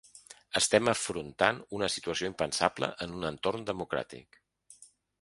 Estem afrontant una situació impensable en un entorn democràtic.